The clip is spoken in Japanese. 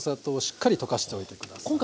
しっかり溶かしておいて下さい。